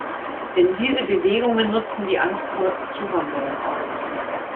Denn diese Bewegungen nutzen die Angst vor Zuwanderung aus.